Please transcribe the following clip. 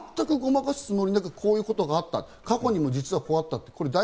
全くごまかすつもりなくこういうことがあった、過去にも実はあった。